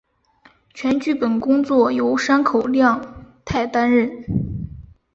全剧本工作由山口亮太担任。